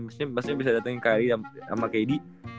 maksudnya bisa dateng ke kyrie sama kyrie